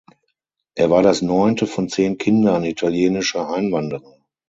Er war das neunte von zehn Kindern italienischer Einwanderer.